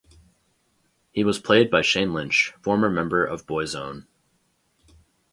He was played by Shane Lynch, former member of Boyzone.